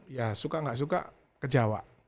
ya suka nggak suka ke jawa